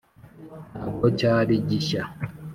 ntabwo cyari gishya!